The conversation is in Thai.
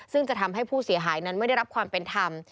ซึ่งจะทำให้ผู้เสียหายนั้นไม่ได้รับความเป็นธรรม